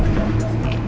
terima kasih bu